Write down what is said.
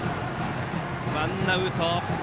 ワンアウト。